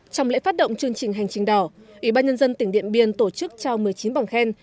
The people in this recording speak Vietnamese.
trong lễ phát động chương trình hành trình đỏ ủy ban nhân dân tỉnh điện biên tổ chức trao một mươi chín bằng khen